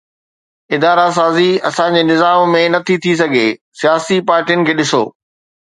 ادارا سازي اسان جي نظام ۾ نه ٿي سگهي، سياسي پارٽين کي ڏسو